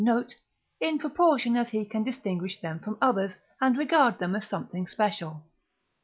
note), in proportion as he can distinguish them from others, and regard them as something special.